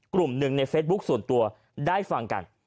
กลุ่มหนึ่งในเฟซบุ๊คส่วนตัวได้ฟังกัน